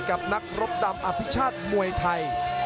กับนักรบดำอภิชาติมวยไทย